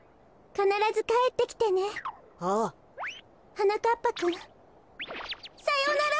はなかっぱくんさようなら！